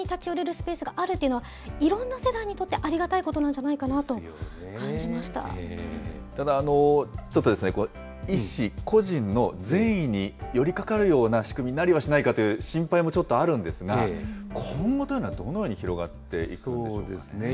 スペースがあるというのは、いろんな世代にとってありがたいことなんじゃないかなと感じましただ、ちょっと、医師個人の善意に寄りかかるような仕組みになりはしないかという心配もちょっとあるんですが、今後というのはどのように広がってそうですね。